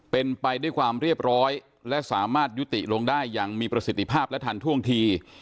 เป็นไปด้วยความเรียบร้อยและสามารถยุติลงได้อย่างมีประสิทธิภาพและทันท่วงที